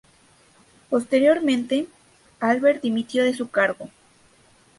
Posteriormente, Albert dimitió de su cargo.